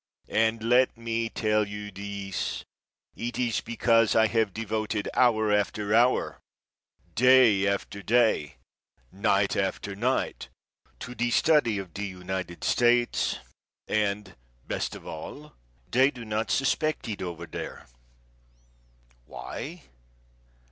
And let me tell you this: it is because I have devoted hour after hour, day after day, night after night, to the study of the United States, and, best of all, they do not suspect it over there. Why?